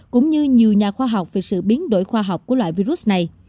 cũng như nhiều nhà khoa học về sự biến đổi khoa học của loại virus này